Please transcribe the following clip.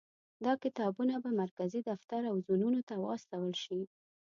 دا کتابونه به مرکزي دفتر او زونونو ته واستول شي.